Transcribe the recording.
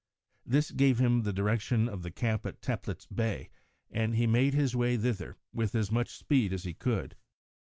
This gave him the direction of the camp at Teplitz Bay, and he made his way thither, with as much speed as he could.